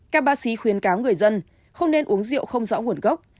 các bác sĩ khuyến cáo người dân không nên uống rượu không rõ nguồn gốc